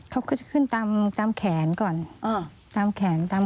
เขาก็จะขึ้นตามแขนก่อนตามแขนตาม